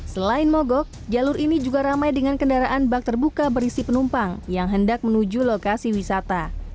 selain mogok jalur ini juga ramai dengan kendaraan bak terbuka berisi penumpang yang hendak menuju lokasi wisata